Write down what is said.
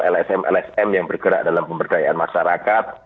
lsm lsm yang bergerak dalam pemberdayaan masyarakat